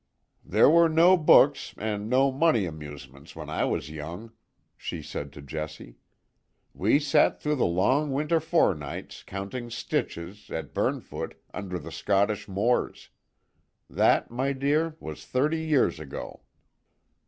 "There were no books, and no mony amusements, when I was young," she said to Jessie. "We sat through the long winter forenights, counting stitches, at Burnfoot, under the Scottish moors. That, my dear, was thirty years ago."